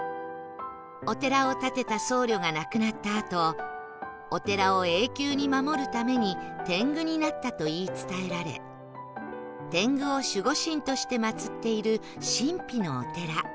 お寺を建てた僧侶が亡くなったあとお寺を永久に守るために天狗になったと言い伝えられ天狗を守護神として祀っている神秘のお寺